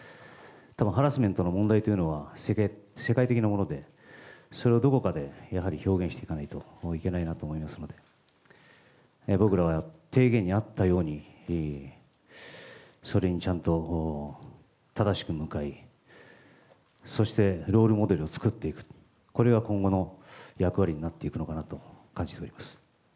たぶんハラスメントの問題というのは、世界的なもので、それをどこかでやはり表現していかないといけないなと思いますので、僕らは提言にあったように、それにちゃんと正しく向かい、そしてロールモデルを作っていく、これが今後の役割になっていくのかなと感じております。